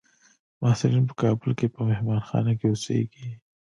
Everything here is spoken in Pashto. محصلین په کابل کې په مهانخانه کې اوسیږي.